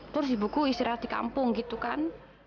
terus ibu ku istirahat di kampung gitu kan